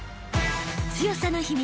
［強さの秘密